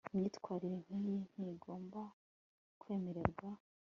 imyitwarire nkiyi ntigomba kwemererwa